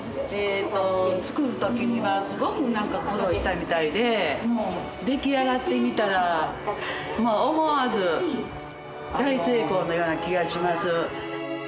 作るときにはすごく苦労したみたいで出来上がってみたら思わず大成功のような気がします。